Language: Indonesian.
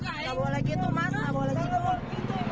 tidak boleh gitu mas tidak boleh gitu